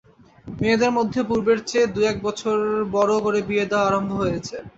মেয়েদের মধ্যেও পূর্বের চেয়ে দু-এক বছর বড় করে বিয়ে দেওয়া আরম্ভ হয়েছে।